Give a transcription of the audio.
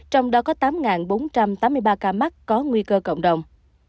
trong đó có tám bốn trăm tám mươi ba ca mắc có nguy cơ cộng đồng